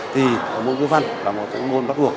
thì môn ngữ văn là một trong môn bắt buộc